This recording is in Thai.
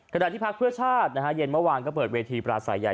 กระดาษที่พลักษณ์เครือชาตินะฮะเย็นเมื่อวานก็เปิดเวทีปราสัยใหญ่